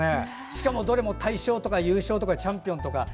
しかもどれも大賞とか優勝とかチャンピオンとか。